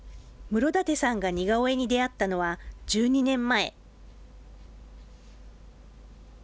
室舘さんが似顔絵に出会ったのは、１２年前。